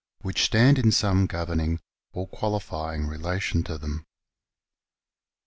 which stand in some governing or qualifying relation to them.